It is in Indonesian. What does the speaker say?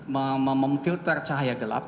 memfilter cahaya gelap